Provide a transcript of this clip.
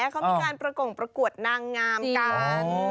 เขากล้องประกวดนางงาม